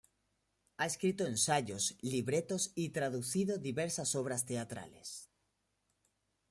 Ha escrito ensayos, libretos y traducido diversas obras teatrales.